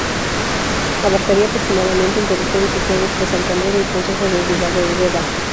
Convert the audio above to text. Abarcaría aproximadamente un territorio situado entre Santander y el concejo de Ribadedeva.